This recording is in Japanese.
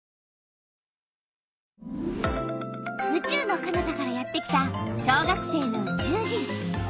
うちゅうのかなたからやってきた小学生のうちゅう人！